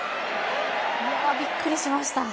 いやぁ、びっくりしました。